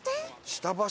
下橋？